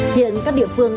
hiện các địa phương